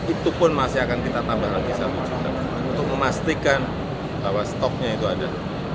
itu pun masih akan kita tambah lagi satu juta untuk memastikan bahwa stoknya itu ada